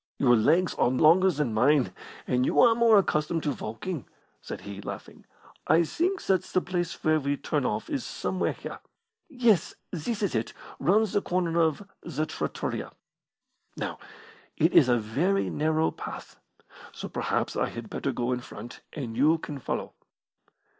"Your legs are longer than mine, and you are more accustomed to walking," said he, laughing. "I think that the place where we turn off is somewhere here. Yes, this is it, round the corner of the trattoria. Now, it is a very narrow path, so perhaps I had better go in front, and you can follow."